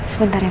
sebentar ya mir